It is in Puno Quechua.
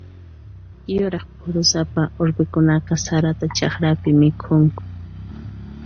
Yuraq phurusapa urpikunaqa sarata chakrapi mikhunku.